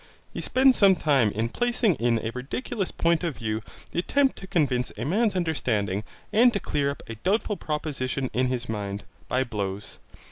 He spends some time in placing in a ridiculous point of view the attempt to convince a man's understanding and to clear up a doubtful proposition in his mind, by blows.